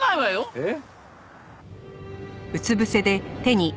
えっ？